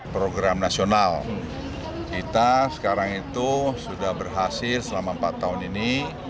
program nasional kita sekarang itu sudah berhasil selama empat tahun ini